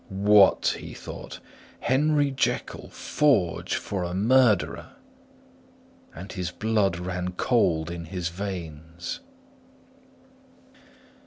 "What!" he thought. "Henry Jekyll forge for a murderer!" And his blood ran cold in his veins.